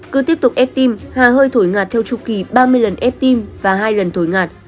cứ tiếp tục ép tim hà hơi thổi ngạt theo chu kỳ ba mươi lần ép tim và hai lần thổi ngạt